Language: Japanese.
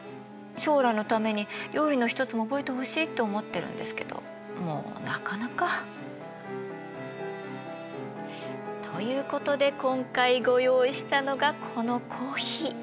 将来のために料理の一つも覚えてほしいって思ってるんですけどもうなかなか。ということで今回ご用意したのがこのコーヒー。